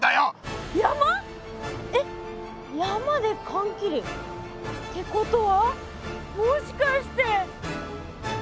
えっ山でかんきり。ってことはもしかして。